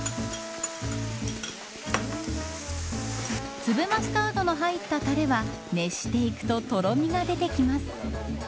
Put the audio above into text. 粒マスタードの入ったたれは熱していくととろみが出てきます。